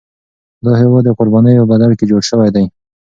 دا هیواد د قربانیو په بدل کي جوړ شوی دی.